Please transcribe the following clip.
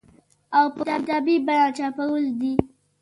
او په کتابي بڼه چاپول دي